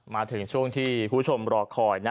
มาถึงช่วงที่คุณผู้ชมรอคอยนะ